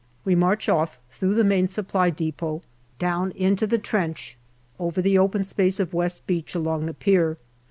We march off, through the Main Supply depot, down into the trench, over the open space of West Beach, along the pier.